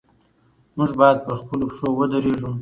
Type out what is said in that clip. موږ باید پر خپلو پښو ودرېږو.